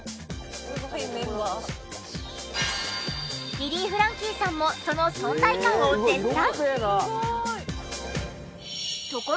リリー・フランキーさんもその存在感を絶賛！